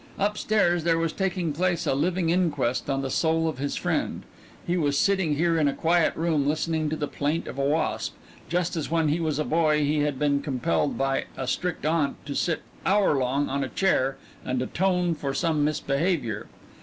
Up stairs there was taking place a living inquest on the soul of his friend; he was sitting here in a quiet room listening to the plaint of a wasp, just as when he was a boy he had been compelled by a strict aunt to sit hour long on a chair and atone for some misbehavior.